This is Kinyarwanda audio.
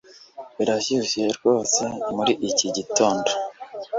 Birashyushye rwose muri iki gitondo